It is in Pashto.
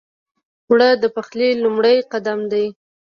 اوړه د پخلي لومړی قدم دی